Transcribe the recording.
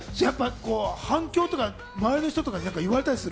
反響とか周りの人とかに何か言われたりする？